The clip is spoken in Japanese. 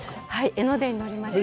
江ノ電に乗りました。